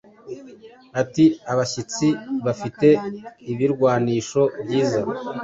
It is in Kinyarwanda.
Ati abashyitsi bafite ibirwanisho byiza